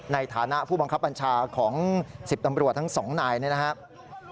ในฐานะผู้บังคับบัญชาของ๑๐ตำรวจทั้งสองนายนะครับ